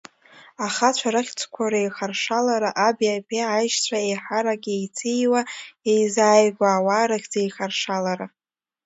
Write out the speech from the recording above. Ахацәа рыхьӡқәа реихаршалара аби аԥеи, аишьцәа еиҳарак иеициуа иеизааигәоу ауаа рыхьӡеихаршалара…